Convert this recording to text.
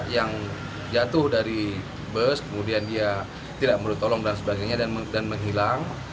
yang jatuh dari bus kemudian dia tidak menurut tolong dan sebagainya dan menghilang